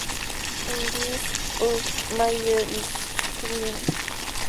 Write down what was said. In this, Olodumare is Supreme.